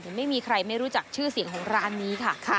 ไม่มีใครไม่รู้จักชื่อเสียงของร้านนี้ค่ะ